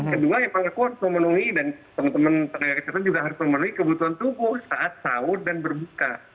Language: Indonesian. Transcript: kedua yang paling aku harus memenuhi dan teman teman tenaga kesehatan juga harus memenuhi kebutuhan tubuh saat sahur dan berbuka